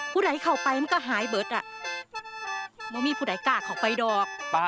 ภัยเข้าไปก็ตายกันเบิศ